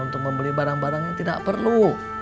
untuk membeli barang barang yang tidak perlu